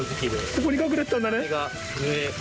ここに隠れていたんだね。